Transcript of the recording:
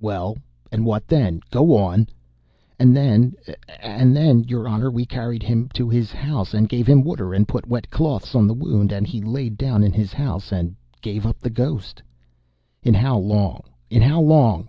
"Well, and what then? Go on!" "And then and then, Your Honor, we carried him in to his house and gave him water, and put wet cloths on the wound, and he laid down in his house and gave up the ghost." "In how long? In how long?"